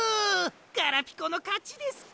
ガラピコのかちですか。